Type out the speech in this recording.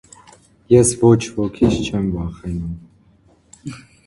Ես ոչ֊ոքից չեմ վախենում…